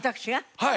はい。